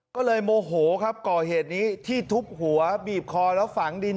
ก็เลยโมโหครับก่อเหตุนี้ที่ทุบหัวบีบคอแล้วฝังดิน